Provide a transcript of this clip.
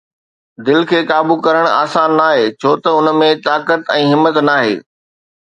دل کي قابو ڪرڻ آسان ناهي ڇو ته ان ۾ طاقت ۽ همت ناهي